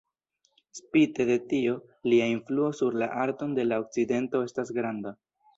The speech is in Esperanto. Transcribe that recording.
Spite de tio, lia influo sur la arton de la Okcidento estas granda.